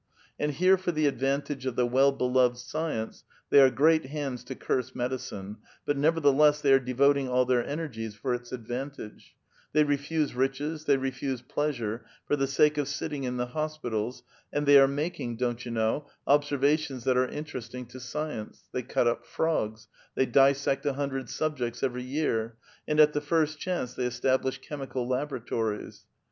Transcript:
And here for the advantage of the well beloved science — they are gi*eat hands to curse medicine ; but, nevertheless, they are devoting all their energies for its advantage — the}' refuse riches, they refuse pleasure, for the sake of sitting in the hospitals, and thev are makinor don't vou know, observations that are interesting to science : they cut up frogs ; they dissect a hun dred subjects every year ; and at the first chance they estab lish chemical laboratories.